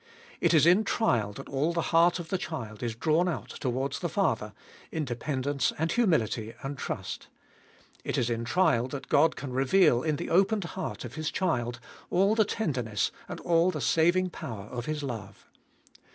It is in trial that all the heart of the child is drawn out towards the father, in dependence and humility and trust. It is in trial Tboltest of ail 467 that God can reveal in the opened heart of His child all the tenderness and all the saving power of His love.